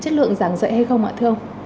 chất lượng giảng dạy hay không ạ thưa ông